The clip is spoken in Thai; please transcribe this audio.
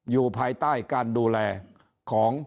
อยู่ภายใต้การดูแลของ